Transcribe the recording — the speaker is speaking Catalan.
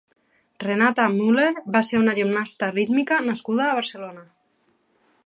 Renata Müller va ser una gimnasta rítmica nascuda a Barcelona.